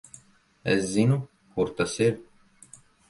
Es zinu, kur tas ir.